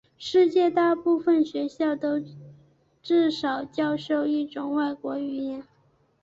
世界上大部分学校都至少教授一种外国语言。